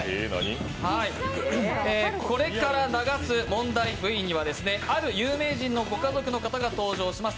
これから流す問題Ｖには、ある有名人のご家族の方が登場します。